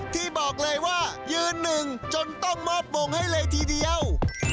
ที่บอกเลยว่ายืนหนึ่งจนต้องมอบวงให้เลยทีเดียว